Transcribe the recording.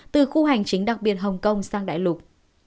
từ khu hành chính đặc biệt hồng kông sang đại lục